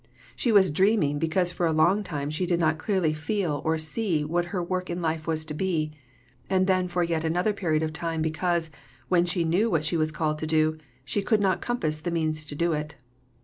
She was dreaming because for a long time she did not clearly feel or see what her work in life was to be; and then for yet another period of time because, when she knew what she was called to do, she could not compass the means to do it.